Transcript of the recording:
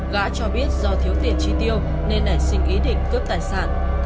gã cho biết do thiếu tiền chi tiêu nên nảy sinh ý định cướp tài sản